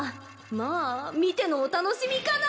まあ見てのお楽しみかな